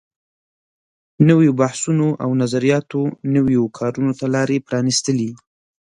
نويو بحثونو او نظریاتو نویو کارونو ته لارې پرانیستلې.